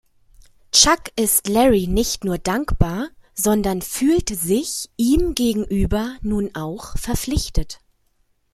Chuck ist Larry nicht nur dankbar, sondern fühlt sich ihm gegenüber nun auch verpflichtet.